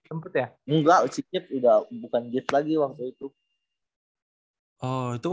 enggak si gibbs bukan gibbs lagi waktu itu